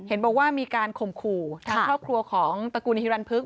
เห็นบอกว่ามีการข่มขู่ทางครอบครัวของตระกูลฮิรันพึก